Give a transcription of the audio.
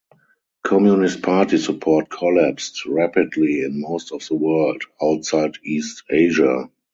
Communist party support collapsed rapidly in most of the world (outside East Asia).